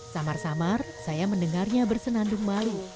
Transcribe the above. samar samar saya mendengarnya bersenandung malu